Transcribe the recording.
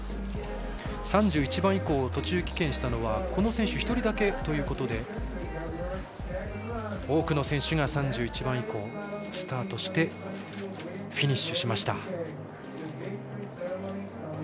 ３１番以降、途中棄権したのはこの選手１人だけということで多くの選手が３１番以降スタートしてフィニッシュしました。